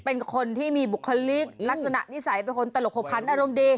เป็นคนที่มีบุคลิกลักษณะนิสัยเป็นคนตลกขบคันอารมณ์ดี